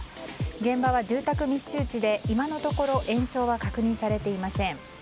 現場は、住宅密集地で今のところ延焼は確認されていません。